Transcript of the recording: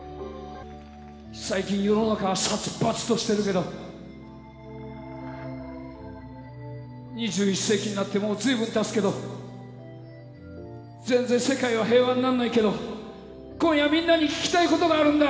最近世の中は殺伐としてるけど２１世紀になってもう随分たつけど全然世界は平和になんないけど今夜みんなに聞きたいことがあるんだ。